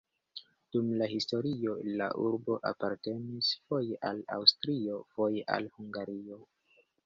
Dum la historio la urbo apartenis foje al Aŭstrio, foje al Hungario.